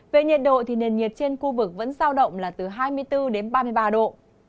về nhiệt độ thì nền nhiệt trên khu vực vẫn giao động là từ hai mươi bốn đến ba mươi ba độ